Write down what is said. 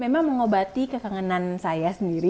memang mengobati kekangenan saya sendiri